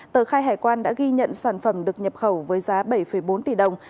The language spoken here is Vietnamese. tờ khai hải quan đã ghi nhận sản phẩm được nhập khẩu với giá bảy bốn tỷ đồng